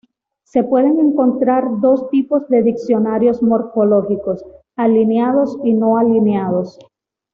Se pueden encontrar dos tipos de diccionarios morfológicos: alineados y no alineados.